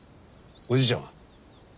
おじいちゃんは？